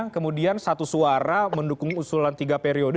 kemudian satu suara mendukung usulan tiga periode